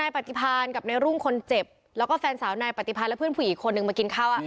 ปฏิพันธ์กับในรุ่งคนเจ็บแล้วก็แฟนสาวนายปฏิพันธ์และเพื่อนผู้หญิงอีกคนนึงมากินข้าว